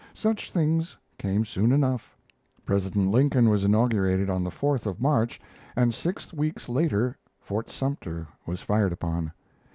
Such things came soon enough: President Lincoln was inaugurated on the 4th of March, and six weeks later Fort Sumter was fired upon.